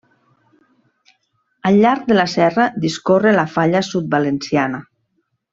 Al llarg de la serra discorre la falla sud-valenciana.